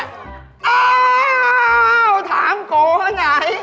อ้าวถามโกไหน